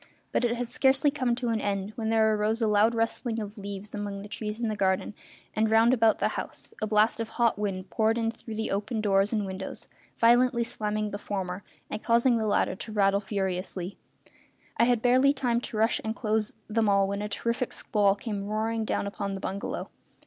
But it had scarcely come to an end when there arose a loud rustling of leaves among the trees in the garden and round about the house, a blast of hot wind poured in through the open doors and windows, violently slamming the former and causing the latter to rattle furiously; and I had barely time to rush and close them all when a terrific squall came roaring down upon the bungalow.